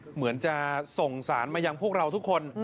เหมือนจะส่งสารมายังพวกเราทุกคน